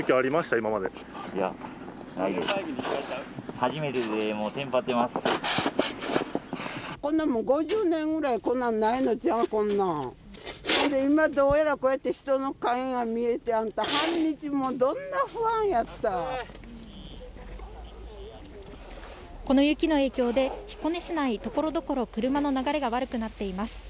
今、どうやらこうやって人の影が見えてあんた、この雪の影響で、彦根市内、ところどころ車の流れが悪くなっています。